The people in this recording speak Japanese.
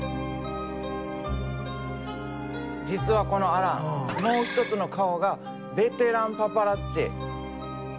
実はこのアランもう一つの顔がベテラン・パパラッチ。